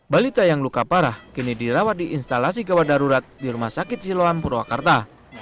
balita yang luka parah kini dirawat di instalasi gawat darurat di rumah sakit siloam purwakarta